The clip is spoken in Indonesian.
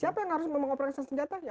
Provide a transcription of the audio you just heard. siapa yang harus mengoperasikan senjatanya